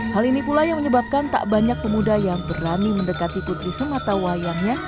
hal ini pula yang menyebabkan tak banyak pemuda yang berani mendekati putri sematawayangnya